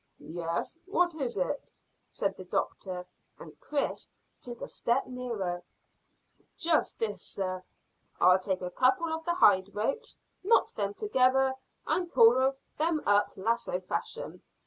"Yes; what is it?" said the doctor, and Chris took a step nearer. "Just this, sir. I'll take a couple of the hide ropes, knot them together, and coil them up lasso fashion.